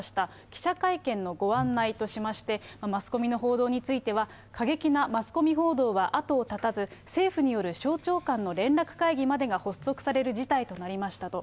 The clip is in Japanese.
記者会見のご案内としまして、マスコミの報道については、過激なマスコミ報道は後を絶たず、政府による省庁間の連絡会議までが発足される事態となりましたと。